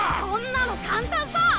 こんなの簡単さ。